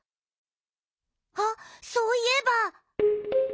あっそういえば。